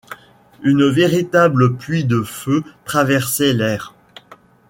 Une véritable pluie de feu traversait l’air.